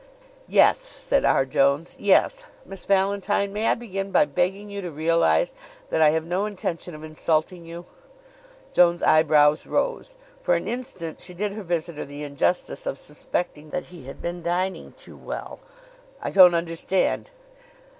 "Yes," said R. Jones. "Yes. ... Miss Valentine, may I begin by begging you to realize that I have no intention of insulting you?" Joan's eyebrows rose. For an instant she did her visitor the injustice of suspecting that he had been dining too well. "I don't understand."